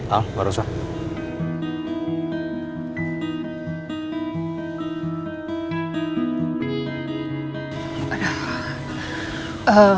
al gak usah